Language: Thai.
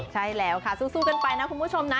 ใช่แล้วค่ะสู้กันไปนะคุณผู้ชมนะ